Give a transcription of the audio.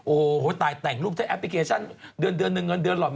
โอ้โฮแต่ต่างรูปแทนแอปพลิเคชั่นเดือนเดียวนหนึ่งเดือนเหล่าหมด